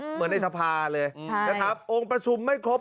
เหมือนในสภาเลยนะครับองค์ประชุมไม่ครบ